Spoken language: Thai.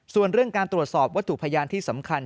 ส่วนเรื่องการตรวจสอบวัตถุพยานที่สำคัญ